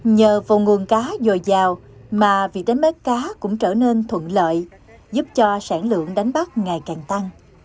nhờ vùng nguồn cá dồi dào mà việc đánh bắt cá cũng trở nên thuận lợi giúp cho sản lượng đánh bắt ngày càng tăng